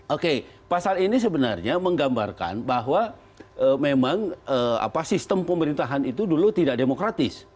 oke pasal ini sebenarnya menggambarkan bahwa memang sistem pemerintahan itu dulu tidak demokratis